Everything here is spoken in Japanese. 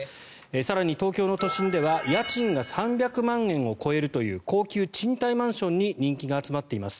更に東京の都心では家賃が３００万円を超えるという高級賃貸マンションに人気が集まっています。